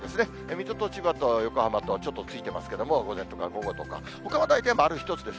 水戸と千葉と横浜と、ちょっとついてますけれども、午前とか午後とか、ほかは大体丸１つです。